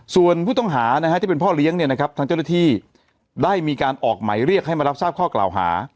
ส่วนผู้ต้องหาที่เป็นพ่อเลี้ยงทางเจ้าหน้าที่ได้มีการออกหมายเรียกให้มารับทราบข้อกล่าวหา